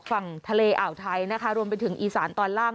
ฝั่งทะเลอ่าวไทยนะคะรวมไปถึงอีสานตอนล่าง